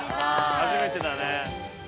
◆初めてだね。